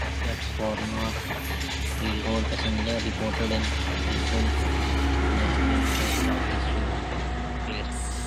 Its former railroad passenger depot is listed on the National Register of Historic Places.